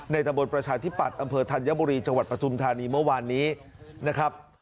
ตะบนประชาธิปัตย์อำเภอธัญบุรีจังหวัดปฐุมธานีเมื่อวานนี้นะครับ